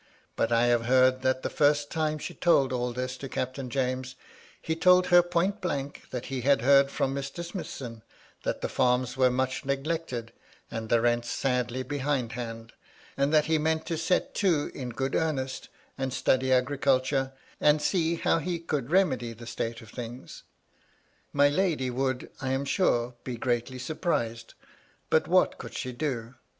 But I have heard that the first time she told all this to Captain James, he told her point blank that he had heard from Mr. Smithson that the farms were much neglected and the rents sadly behind hand, and that he meant to set to in good earnest and study agriculture, and see how he could remedy the state of things. My lady would, I am sure, be greatly surprised, but what could she do